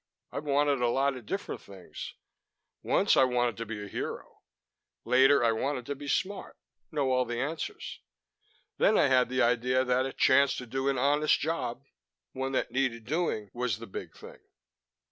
I've wanted a lot of different things. Once I wanted to be a hero. Later, I wanted to be smart, know all the answers. Then I had the idea that a chance to do an honest job, one that needed doing, was the big thing.